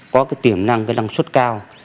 có cái tiềm năng cái năng suất cao